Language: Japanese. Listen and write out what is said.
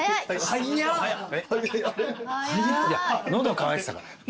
喉渇いてたから。